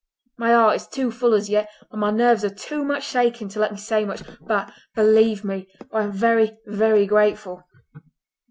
"My heart is too full as yet, and my nerves are too much shaken to let me say much; but, believe me, I am very, very grateful!"